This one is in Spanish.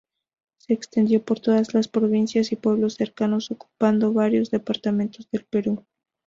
Se extendió por todas las provincias y pueblos cercanos, ocupando varios departamento del Perú.